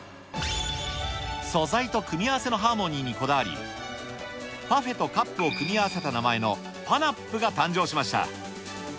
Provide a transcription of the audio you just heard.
素材と組み合わせのハーモニーにこだわり、パフェとカップを組み合わせた名前のパナップが誕生しました。